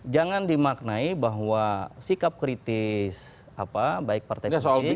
jangan dimaknai bahwa sikap kritis baik partai politik